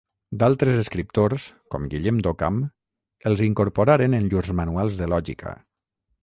D'altres escriptors, com Guillem d'Occam, els incorporaren en llurs manuals de lògica.